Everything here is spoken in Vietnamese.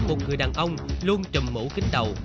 một người đàn ông luôn trùm mũ kính đầu